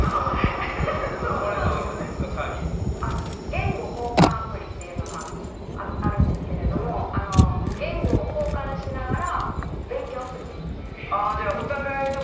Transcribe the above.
言語交換アプリっていうのがあるんですけれども言語を交換しながら勉強する。